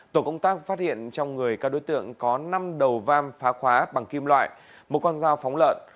tổ công tác phát hiện trong người các đối tượng có năm đầu vam phá khóa bằng kim loại một con dao phóng lợn